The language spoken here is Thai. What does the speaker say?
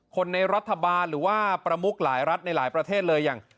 คนในรัฐบาลหรือว่าประมุกหลายรัฐในหลายประเทศเลยอย่าง